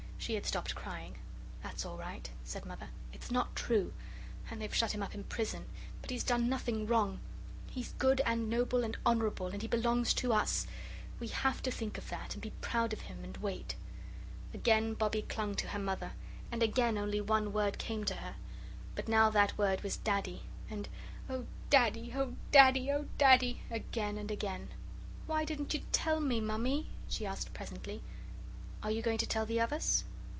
She had stopped crying. "That's all right," said Mother. "It's not true. And they've shut him up in prison, but he's done nothing wrong. He's good and noble and honourable, and he belongs to us. We have to think of that, and be proud of him, and wait." Again Bobbie clung to her Mother, and again only one word came to her, but now that word was "Daddy," and "Oh, Daddy, oh, Daddy, oh, Daddy!" again and again. "Why didn't you tell me, Mammy?" she asked presently. "Are you going to tell the others?"